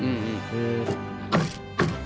へえ。